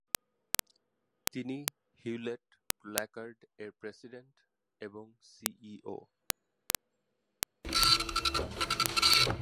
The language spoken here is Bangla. তিনি হিউলেট-প্যাকার্ড এর প্রেসিডেন্ট এবং সিইও।